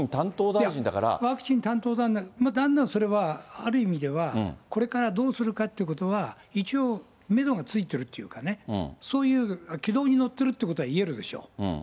いや、ワクチン担当なんだけど、だんだんそれは、ある意味ではこれからどうするかっていうことは、一応、メドがついているっていうかね、そういう軌道に乗ってるってことはいえるでしょう。